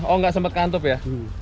oh nggak sempet ngantup ya